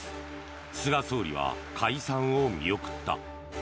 菅総理は解散を見送った。